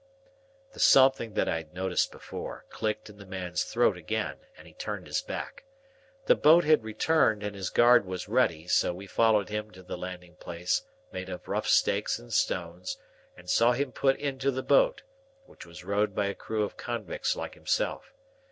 The something that I had noticed before, clicked in the man's throat again, and he turned his back. The boat had returned, and his guard were ready, so we followed him to the landing place made of rough stakes and stones, and saw him put into the boat, which was rowed by a crew of convicts like himself.